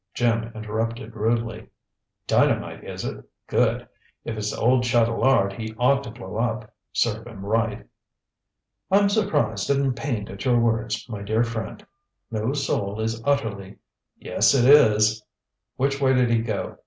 Jim interrupted rudely. "Dynamite, is it? Good. If it's old Chatelard, he ought to blow up. Serve him right." "I'm surprised and pained at your words, my dear friend. No soul is utterly " "Yes, it is. Which way did he go?